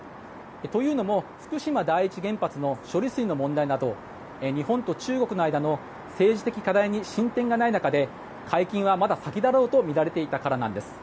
というのも福島第一原発の処理水の問題など日本と中国の間の政治的課題に進展がない中で解禁はまだ先だろうとみられていたからなんです。